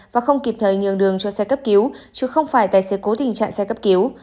và không kịp thời nhường đường cho xe cấp cứu chứ không phải tài xế cố tình trạng xe cấp cứu